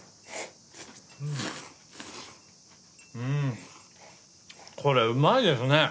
うんこれうまいですね。